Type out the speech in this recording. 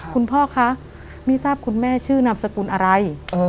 พ่อคะไม่ทราบคุณแม่ชื่อนามสกุลอะไร